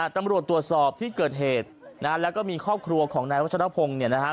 ตำรวจตรวจสอบที่เกิดเหตุนะฮะแล้วก็มีครอบครัวของนายวัชรพงศ์เนี่ยนะฮะ